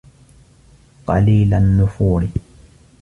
قَلِيلَ النُّفُورِ